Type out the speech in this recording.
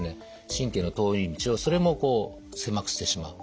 神経の通り道をそれもこう狭くしてしまう。